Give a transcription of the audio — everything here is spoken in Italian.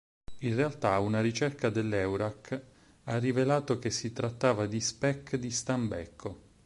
In realtà, una ricerca dell'Eurac ha rivelato che si trattava di speck di stambecco.